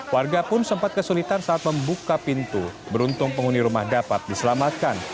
warga pun sempat kesulitan saat membuka pintu beruntung penghuni rumah dapat diselamatkan